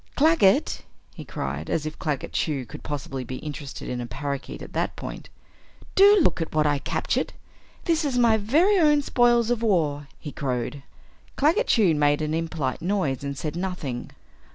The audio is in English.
"Claggett!" he cried, as if Claggett Chew could possibly be interested in a parakeet at that point, "do look at what I captured! This is my very own spoils of war!" he crowed. Claggett Chew made an impolite noise and said nothing.